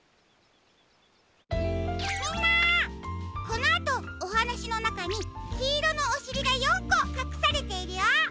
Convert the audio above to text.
このあとおはなしのなかにきいろのおしりが４こかくされているよ。